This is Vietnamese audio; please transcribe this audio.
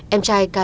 em trai cao